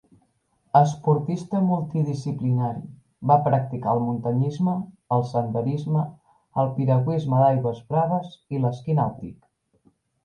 Esportista multidisciplinari, va practicar el muntanyisme, el senderisme, el piragüisme d'aigües braves i l’esquí nàutic.